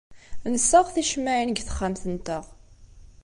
Nessaɣ ticemmaɛin deg texxamt-nteɣ.